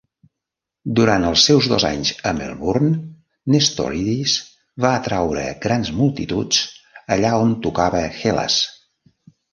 Durant els seus dos anys a Melbourne, Nestoridis va atraure grans multituds allà on tocava Hellas.